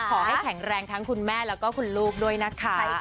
ขอให้แข็งแรงทั้งคุณแม่แล้วก็คุณลูกด้วยนะคะ